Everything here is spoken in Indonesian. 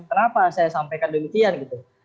kenapa saya sampaikan demikian gitu